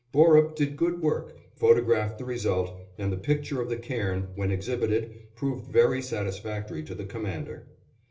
Borup did good work, photographed the result, and the picture of the cairn, when exhibited, proved very satisfactory to the Commander.